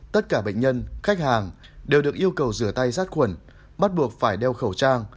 tất cả bệnh nhân khách hàng đều được yêu cầu rửa tay sát khuẩn bắt buộc phải đeo khẩu trang